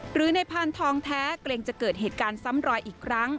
หรือในพานทองแท้เกรงจะเกิดเหตุการณ์ซ้ำรอยอีกครั้ง